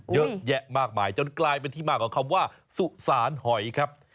เยอะแยะมากมายจนกลายเป็นที่มาของคำว่าสุสานหอยครับ